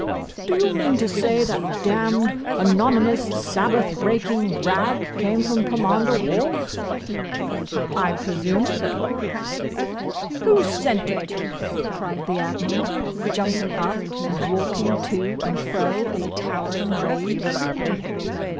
"Do you mean to say that damned, anonymous, Sabbath breaking rag came from Pomander Walk?" "I presume so." "Who sent it?" cried the Admiral, jumping up and walking to and fro in a towering rage.